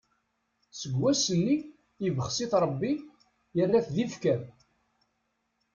Seg wass-nni, ibxes-it Rebbi, yerra-t d ifker.